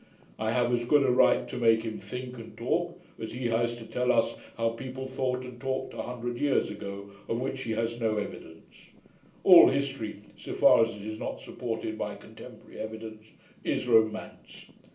I have as good a right to make him think and talk, as he has to tell us how people thought and talked a hundred years ago, of which he has no evidence. All history, so far as it is not supported by contemporary evidence, is romance